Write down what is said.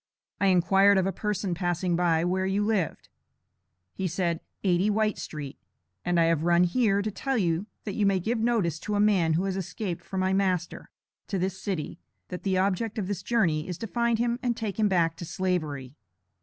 I inquired of a person passing by, where you lived. He said, 80, White Street, and I have run here, to tell you that you may give notice to a man who has escaped from my master, to this city, that the object of this journey is to find him and take him back to Slavery."